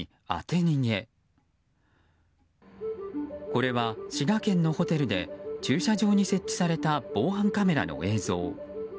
これは滋賀県のホテルで駐車場に設置された防犯カメラの映像。